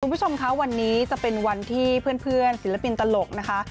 คุณผู้ชมคะวันนี้จะเป็นวันที่เพื่อนศิลปินตลกนะคะ